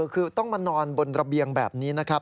คือต้องมานอนบนระเบียงแบบนี้นะครับ